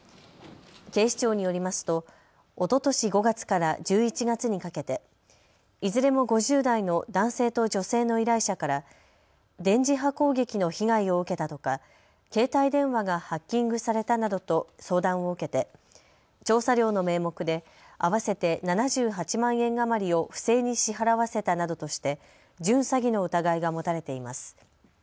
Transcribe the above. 警視庁によりますとおととし５月から１１月にかけていずれも５０代の男性と女性の依頼者から電磁波攻撃の被害を受けたとか携帯電話がハッキングされたなどと相談を受けて調査料の名目で合わせて７８万円余りを不正に支払わせたなどとして準詐欺の疑いが持たれています。